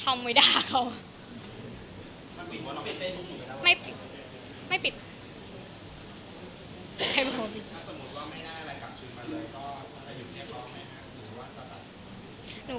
เราเป็นเครื่องสบายประโยชน์